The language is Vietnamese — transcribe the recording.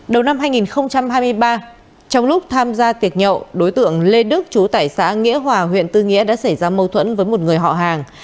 đầu năm hai nghìn hai mươi ba trong lúc tham gia tiệc nhậu đối tượng lê đức chú tải xã nghĩa hòa huyện tư nghĩa đã xảy ra mâu thuẫn với một người họ hàng